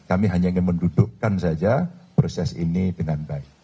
kami hanya ingin mendudukkan saja proses ini dengan baik